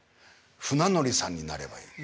船乗りさんになればいい。